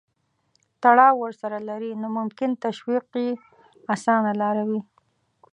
تړاو ورسره لري نو ممکن تشویق یې اسانه چاره وي.